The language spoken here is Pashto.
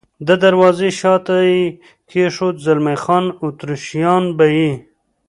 د دروازې شاته یې کېښود، زلمی خان: اتریشیان به یې.